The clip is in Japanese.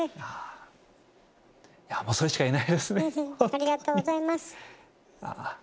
ありがとうございます。